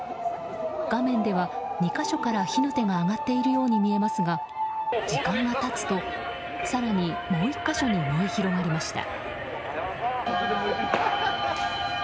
画面では２か所から火の手が上がっているように見えますが時間が経つと更にもう１か所に燃え広がりました。